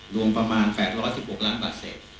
รวมประมาณ๘๑๖ล้านบาทเศษ